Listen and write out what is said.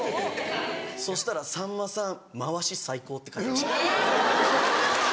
そしたら「さんまさん回し最高」って書いてありました。